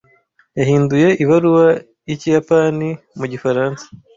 Yahinduye ibaruwa y’ikiyapani mu gifaransa.